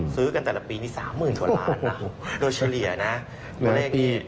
ซื้อกันแต่ละปีนี้๓๐๐๐๐ตัวล้านโดยเฉลี่ยนะ